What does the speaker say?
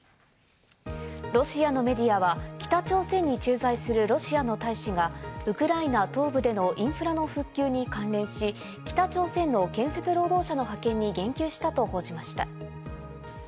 ロシアのメディアは北朝鮮に駐在するロシアの大使がウクライナ東部でのインフラの復旧に関連し、北朝鮮の建設労働者の派遣に言及したと報じました。